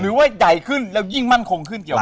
ใหญ่ขึ้นแล้วยิ่งมั่นคงขึ้นเกี่ยว